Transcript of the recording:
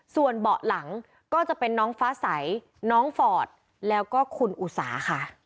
ส่วนเบาะหลังก็จะเป็นน้องฟ้าใสน้องฟอร์ดแล้วก็คุณอุสาค่ะ